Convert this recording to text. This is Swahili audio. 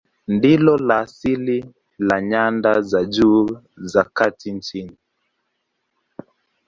Ndilo la asili la nyanda za juu za kati nchini.